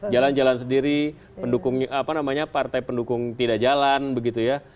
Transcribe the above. jalan jalan sendiri pendukungnya apa namanya partai pendukung tidak jalan begitu ya